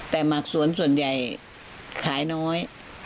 แต่หมักสวนส่วนใหญ่ขายน้อย